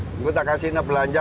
aku tak kasih belanja